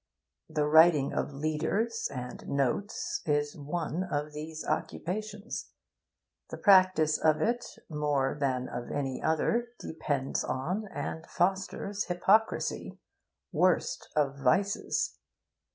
The writing of 'leaders' and 'notes' is one of these occupations. The practice of it, more than of any other, depends on, and fosters hypocrisy, worst of vices.